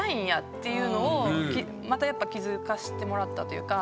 っていうのをまたやっぱ気付かしてもらったというか。